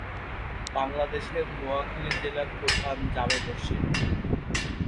বাংলাদেশের নোয়াখালী জেলার প্রধান জামে মসজিদ।